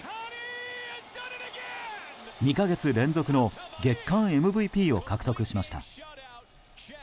２か月連続の月間ＭＶＰを獲得しました。